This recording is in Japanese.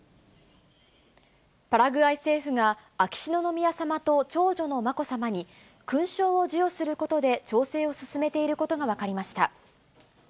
パラグアイ政府が、秋篠宮さまと長女のまこさまに、勲章を授与することで調整を進めていることが分かりました。